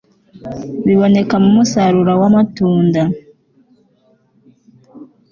bibonekamo umusaruro wamatunda